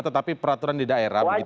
tetapi peraturan di daerah